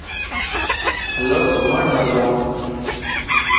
ھلو گھمڻ ھلا